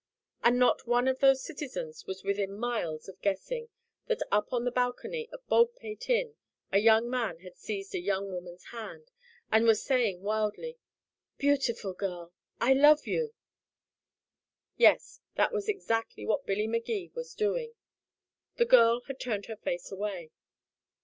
And not one of those citizens was within miles of guessing that up on the balcony of Baldpate Inn a young man had seized a young woman's hand, and was saying wildly: "Beautiful girl I love you." Yet that was exactly what Billy Magee was doing. The girl had turned her face away.